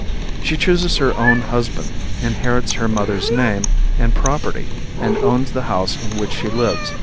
She chooses her own husband, inherits her mother's name and property and owns the house in which she lives.